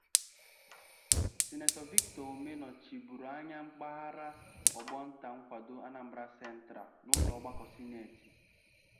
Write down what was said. Sinetọ Victor Umeh nọchibụrụ anya mpaghara ọgbọ nta nkwàdo 'Anambra Central' n'ụlọ ọgbakọ sineetị